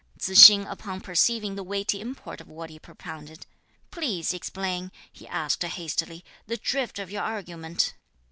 Tzu hsing upon perceiving the weighty import of what he propounded, "Please explain," he asked hastily, "the drift (of your argument)."